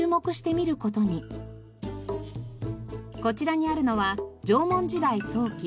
こちらにあるのは縄文時代早期